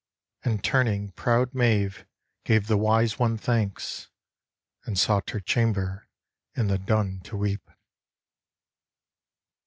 And turning proud Maeve gave the wise one thanks. And sought her chamber in the dun to weep.